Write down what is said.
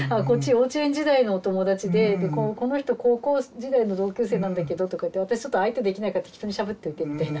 幼稚園時代のお友達でこの人高校時代の同級生なんだけどとか言って私ちょっと相手できないから適当にしゃべっといてみたいな。